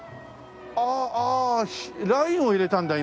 ああラインを入れたんだ今。